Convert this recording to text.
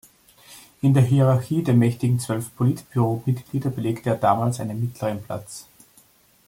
In der Hierarchie der mächtigen zwölf Politbüromitglieder belegte er damals einen mittleren Platz.